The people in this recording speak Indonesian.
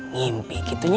mimpi gitu nya